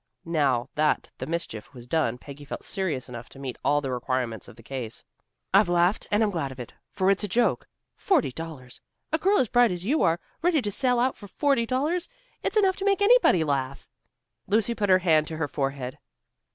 Now that the mischief was done, Peggy felt serious enough to meet all the requirements of the case. "I've laughed and I'm glad of it. For it's a joke. Forty dollars! A girl as bright as you are, ready to sell out for forty dollars. It's enough to make anybody laugh." Lucy put her hand to her forehead.